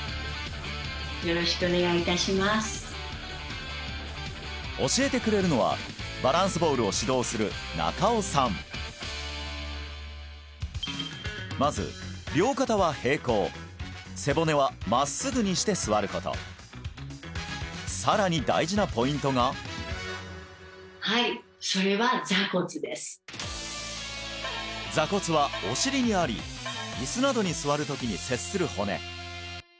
よろしくお願いいたします教えてくれるのはバランスボールを指導するまず両肩は平行背骨は真っすぐにして座ることさらに大事なポイントが坐骨はお尻にあり椅子などに座るときに接する骨